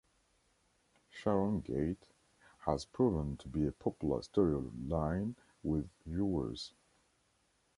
"Sharongate" has proven to be a popular storyline with viewers.